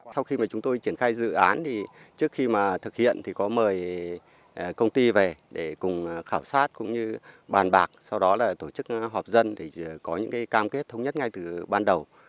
sau khi mà chúng tôi triển khai dự án thì trước khi mà thực hiện thì có mời công ty về để cùng khảo sát cũng như bàn bạc sau đó là tổ chức họp dân để có những cam kết thống nhất ngay từ ban đầu